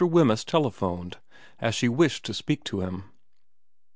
Wemyss telephoned, as she wished to speak to him.